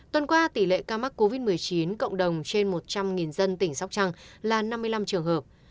tuần qua tỷ lệ ca mắc covid một mươi chín cộng đồng trên một trăm linh dân tỉnh sóc trăng là năm mươi năm trường hợp